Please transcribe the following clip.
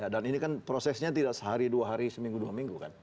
dan ini kan prosesnya tidak sehari dua hari seminggu dua minggu kan